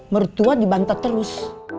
mertua dibantah terus